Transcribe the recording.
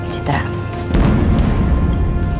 ma ma jangan tinggalin